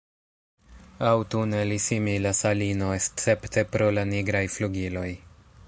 Aŭtune li similas al ino escepte pro la nigraj flugiloj.